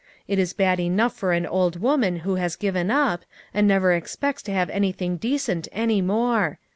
It is bad enough for an old woman Avho has given up, and never expects to have anything decent any more.